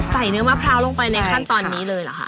เนื้อมะพร้าวลงไปในขั้นตอนนี้เลยเหรอคะ